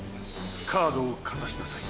カードをかざしなさい。